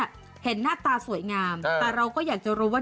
อ๋อกุหลาบแดงค่ะ